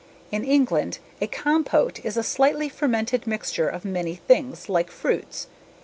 In England, a compot is a slightly fermented mixture of many things like fruits.